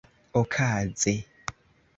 okaze